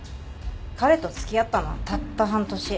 彼と付き合ったのはたった半年。